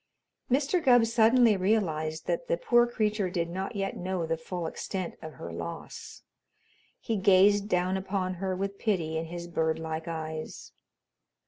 Mr. Gubb suddenly realized that the poor creature did not yet know the full extent of her loss. He gazed down upon her with pity in his bird like eyes.